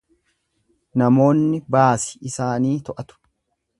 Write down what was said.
Namoonni baasi isaanii too’atu.